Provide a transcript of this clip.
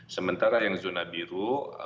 sementara yang zona biru